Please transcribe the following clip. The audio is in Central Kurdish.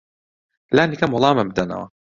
لانی کەم وەڵامم بدەنەوە.